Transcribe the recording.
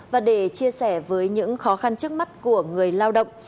và để chia sẻ với những khó khăn trước mắt của người lao động